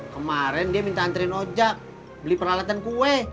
kemarin dia minta anterin ojak beli peralatan kue